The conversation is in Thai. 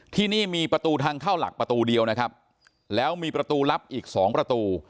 ที่นี่มีประตูทางเข้าหลักประตูเดียวนะครับแล้วมีประตูลับอีกสองประตู